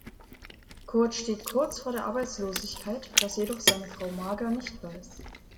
Kurt steht kurz vor der Arbeitslosigkeit, was jedoch seine Frau Marga nicht weiß.